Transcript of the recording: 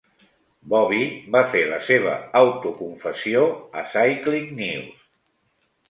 Bobby va fer la seva autoconfessió a CyclingNews.